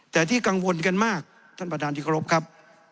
แต่ที่กังวลกันมากท่านประธานที่เคารพครับ